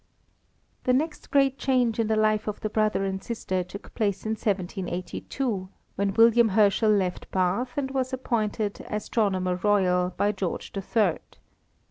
The next great change in the life of the brother and sister took place in 1782, when William Herschel left Bath and was appointed Astronomer Royal by George the Third.